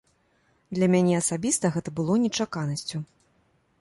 Для мяне асабіста гэта было нечаканасцю.